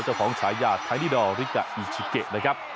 เจ้าของชายาทไทนี่ดอลริกะอิชิเกะนะครับ